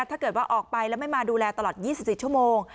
ถ้าเกิดว่าออกไปแล้วไม่มาดูแลตลอด๒๔ชั่วโมง